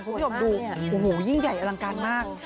คุณผู้ชมดูโอ้โหยิ่งใหญ่อลังการมาก